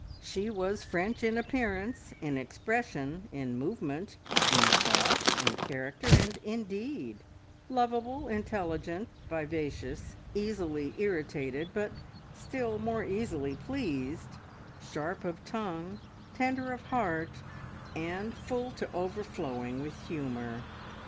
She was French in appearance, in expression, in movement, in thought, in character, and in deed; lovable, intelligent, vivacious, easily irritated, but still more easily pleased, sharp of tongue, tender of heart, and full to overflowing with humour.